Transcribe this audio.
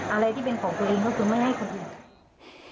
อะไรที่เป็นของตัวเองก็คือไม่ให้คนอื่น